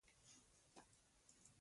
هغه ته همیشه اوبه ورکوئ